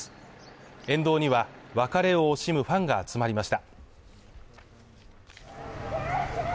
沿道には別れを惜しむファンが集まりました。